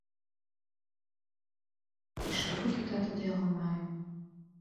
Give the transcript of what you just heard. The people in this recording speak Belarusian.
І што гэты тата да яго мае.